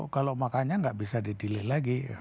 kalau makanya tidak bisa didelay lagi